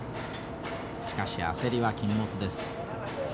しかし焦りは禁物です。